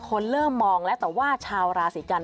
คนเริ่มมองแล้วแต่ว่าชาวราศีกัน